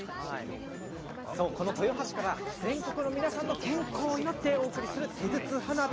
この豊橋から全国の皆さんの健康を祈ってお送りする手筒花火。